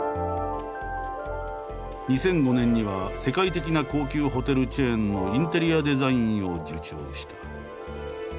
２００５年には世界的な高級ホテルチェーンのインテリアデザインを受注した。